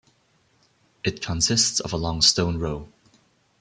It consists of a long stone row.